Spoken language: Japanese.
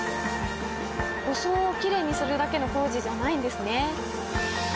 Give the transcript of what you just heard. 装をきれいにするだけの工事じゃないんですね。